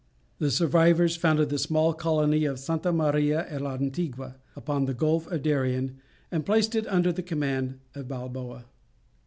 The survivors founded the small colony of Santa Maria el Antigua upon the Gulf of Darien, and placed it under the command of Balboa.